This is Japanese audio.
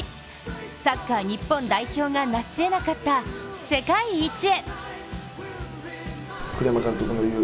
サッカー日本代表がなしえなかった世界一へ。